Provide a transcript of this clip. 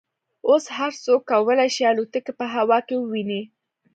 اوس هر څوک کولای شي الوتکې په هوا کې وویني